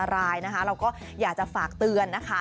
เราก็อยากจะฝากเตือนนะคะ